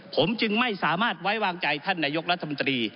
ผมจึงไม่สามารถไว้วางใจท่านนายกรัฐมนตรี